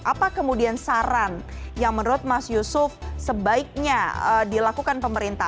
apa kemudian saran yang menurut mas yusuf sebaiknya dilakukan pemerintah